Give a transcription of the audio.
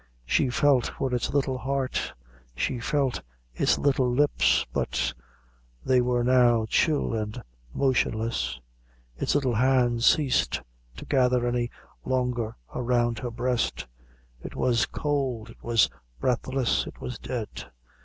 She felt for its little heart, she felt its little lips but they were now chill and motionless; its little hands ceased to gather any longer around her breast; it was cold it was breathless it was dead!